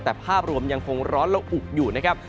แต่ภาพรวมยังคงร้อนและอุอยู่นะครับ